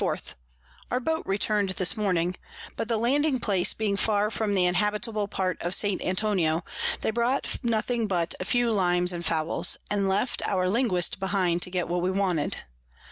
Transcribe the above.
4._ Our Boat return'd this Morning; but the Landing place being far from the inhabitable part of St. Antonio, they brought nothing but a few Limes and Fowls, and left our Linguist behind to get what we wanted.